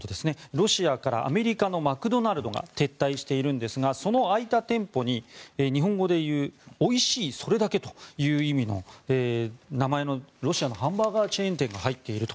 ロシアからアメリカのマクドナルドが撤退しているんですがその空いた店舗に日本語でいう「おいしい、それだけ」という名前のロシアのハンバーガーチェーン店が入っていると。